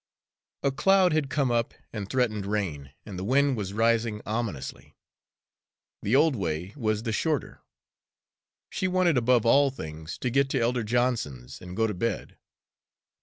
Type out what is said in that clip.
A cloud had come up and threatened rain, and the wind was rising ominously. The old way was the shorter; she wanted above all things to get to Elder Johnson's and go to bed.